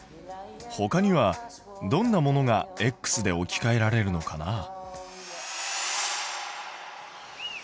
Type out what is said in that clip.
ほかにはどんなものがで置きかえられるのかな？